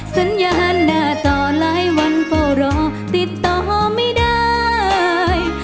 สัญญาณหน้าต่อหลายวันเฝ้ารอติดต่อไม่ได้